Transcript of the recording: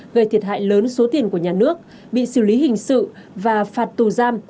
gây thiệt hại lớn số tiền của nhà nước bị xử lý hình sự và phạt tù giam